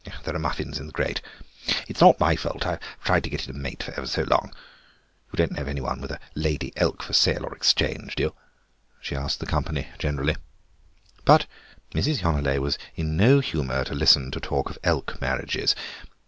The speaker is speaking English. There are muffins in the grate. It's not my fault; I've tried to get it a mate for ever so long. You don't know of anyone with a lady elk for sale or exchange, do you?" she asked the company generally. But Mrs. Yonelet was in no humour to listen to talk of elk marriages.